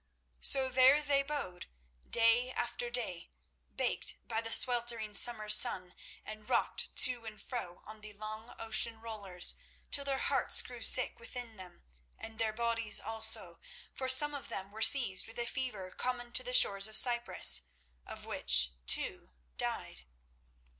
So there they bode day after day, baked by the sweltering summer sun and rocked to and fro on the long ocean rollers till their hearts grew sick within them, and their bodies also, for some of them were seized with a fever common to the shores of Cyprus, of which two died.